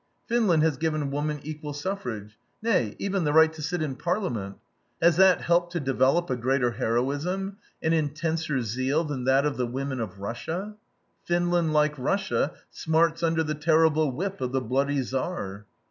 Finland has given woman equal suffrage; nay, even the right to sit in Parliament. Has that helped to develop a greater heroism, an intenser zeal than that of the women of Russia? Finland, like Russia, smarts under the terrible whip of the bloody Tsar.